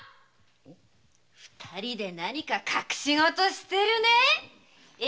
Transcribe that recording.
二人で何か隠しごとをしてるね！